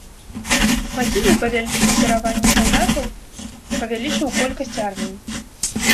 Васілій павялічыў дараванне салдатаў, павялічыў колькасць арміі.